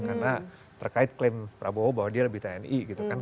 karena terkait klaim prabowo bahwa dia lebih tni gitu kan